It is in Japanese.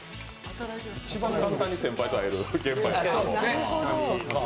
一番簡単に先輩と会える現場ですから。